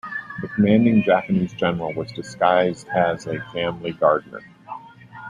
The commanding Japanese general was disguised as a family gardener.